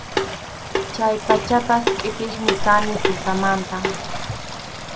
Chay pachapas qʼipiqmi kani tutamantam.